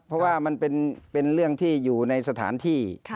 เพราะว่ามันเป็นเรื่องที่อยู่ในสถานที่